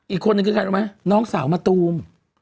อีกคนนึงคือใครรู้ไหมน้องสาวมะตูม